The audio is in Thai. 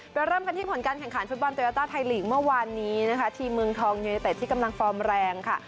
เริ่มกันที่ผลการแข่งขันฟุตบอลโยต้าไทยลีกเมื่อวานนี้นะคะทีมเมืองทองยูเนเต็ดที่กำลังฟอร์มแรงค่ะ